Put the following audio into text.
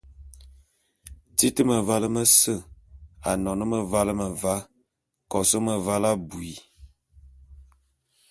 Betit mevale mese, anon meval meva, kos meval abui.